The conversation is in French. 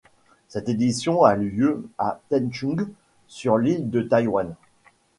Cette édition a lieu à Taichung, sur l'île de Taïwan.